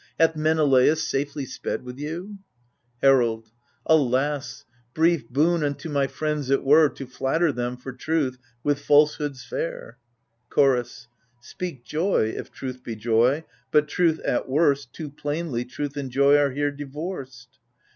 Hath Menelaus safely sped with you ? Herald Alas — brief boon unto my friends it were, To flatter them, for truth, with falsehoods fair ! Chorus Speak joy, if truth be joy, but truth, at worst — Too plainly, truth and joy are here divorced.